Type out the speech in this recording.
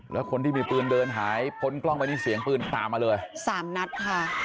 แล้วคนที่มีปืนเดินหายพ้นกล้องไปนี่เสียงปืนตามมาเลยสามนัดค่ะ